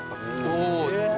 おお。